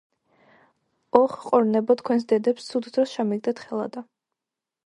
ოხ ყორნებო თქვენს დედებს ცუდ დროს ჩამიგდეთ ხელადა